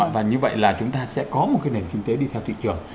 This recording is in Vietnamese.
và như vậy là chúng ta sẽ có một nền kinh tế đi theo thị trường